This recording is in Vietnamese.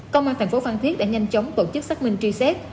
công an thành phố phan thiết đã nhanh chóng tổ chức xác minh truy xét